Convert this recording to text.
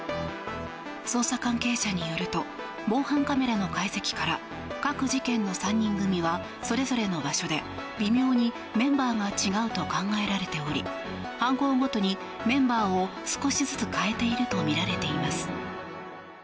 捜査関係者によると防犯カメラの解析から各事件の３人組はそれぞれの場所で微妙にメンバーが違うと考えられており犯行ごとにメンバーを少しずつ変えているとみられています。